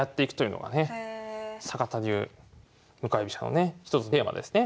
坂田流向かい飛車のね一つのテーマですね。